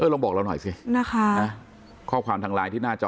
ลองบอกเราหน่อยสินะคะข้อความทางไลน์ที่หน้าจอ